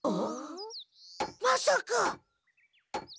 まさか。